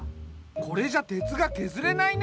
これじゃ鉄がけずれないね。